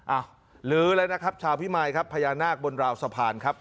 ลื้อแล้วนะครับชาวพิมายครับพญานาคบนราวสะพานครับ